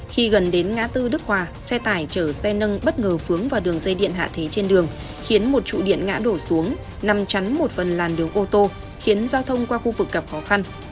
khi gần đến ngã tư đức hòa xe tải chở xe nâng bất ngờ vướng vào đường dây điện hạ thế trên đường khiến một trụ điện ngã đổ xuống nằm chắn một phần làn đường ô tô khiến giao thông qua khu vực gặp khó khăn